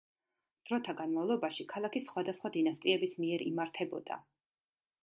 დროთა განმავლობაში ქალაქი სხვადასხვა დინასტიების მიერ იმართებოდა.